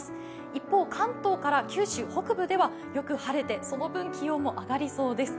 一方、関東から九州北部ではよく晴れてその分、気温も上がりそうです。